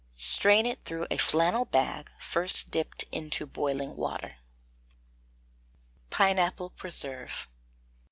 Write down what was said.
Strain it through a flannel bag, first dipped into boiling water. PINEAPPLE PRESERVE.